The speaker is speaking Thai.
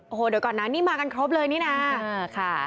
โอ้โหนี่มากันครบเลยนะ